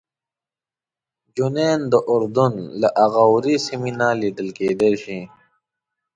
جنین د اردن له اغاورې سیمې نه لیدل کېدای شي.